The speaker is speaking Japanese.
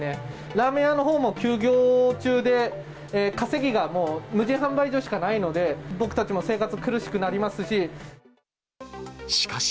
ラーメン屋のほうも休業中で、稼ぎがもう、無人販売所しかないので、僕たちも生活苦しくなりますし。